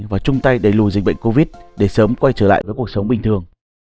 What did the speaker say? và chung tay đẩy lùi dịch bệnh covid để sớm quay trở lại với cuộc sống bình thường